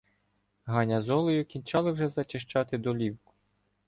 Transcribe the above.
Ганя з Олею кінчали вже зачищати долівку.